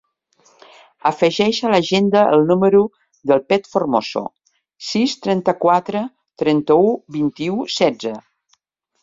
Afegeix a l'agenda el número del Pep Formoso: sis, trenta-quatre, trenta-u, vint-i-u, setze.